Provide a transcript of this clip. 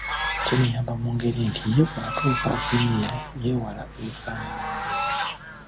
Kimuyamba mu ngeri nti ye bw’atuuka okuyiiya yeewala ebifaanana ng'ebyo.